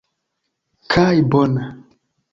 Kaj bone!